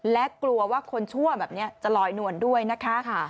และกลัวว่าคนชั่วแบบนี้จะลอยนวลด้วยนะคะ